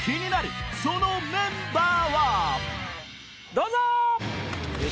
どうぞ！